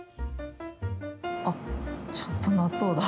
あ、ちゃんと納豆だ。